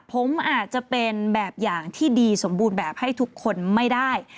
ผมอาจจะเป็นแบบอย่างที่ดีสมบูรณ์แบบให้ทุกคนไม่ได้